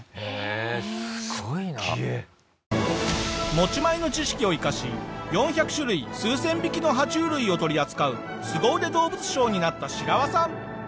持ち前の知識を生かし４００種類数千匹の爬虫類を取り扱う凄腕動物商になったシラワさん。